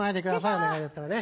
お願いですからね。